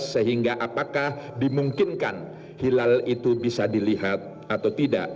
sehingga apakah dimungkinkan hilal itu bisa dilihat atau tidak